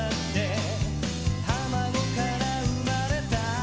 「卵から生まれた」